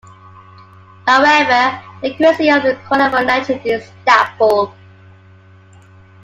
However, the accuracy of the colourful legend is doubtful.